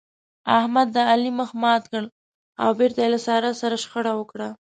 احمد د علي مخ مات کړ او بېرته يې له سارا سره شخړه وکړه.